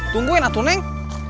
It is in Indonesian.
tungguin aku neng